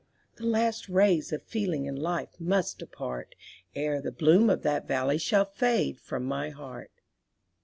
the last rays of feeling and life must depart, Ere the bloom of that valley shall fade from my heart.